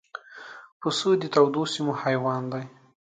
پسه د تودو سیمو حیوان دی.